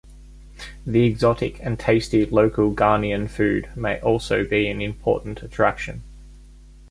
The exotic and tasty local Ghanaian food may also be an important attraction.